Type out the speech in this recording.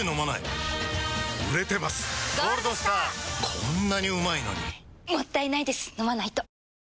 こんなにうまいのにもったいないです、飲まないと。